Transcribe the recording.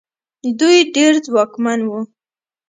دوی ډېر ځواکمن وو.